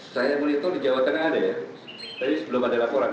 saya mulai tahu di jawa tengah ada ya tapi belum ada laporan